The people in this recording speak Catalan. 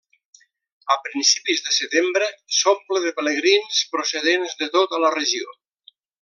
A principis de setembre s'omple de pelegrins procedents de tota la regió.